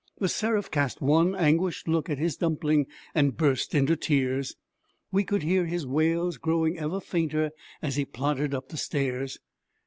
The Seraph cast one anguished look at his dumpling and burst into tears. We could hear his wails growing ever fainter as he plodded up the stairs.